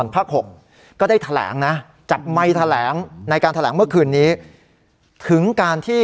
ภาค๖ก็ได้แถลงนะจับไมค์แถลงในการแถลงเมื่อคืนนี้ถึงการที่